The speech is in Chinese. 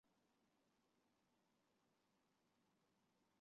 莫尔顿博士提出这些实际都是引力捕获的星子。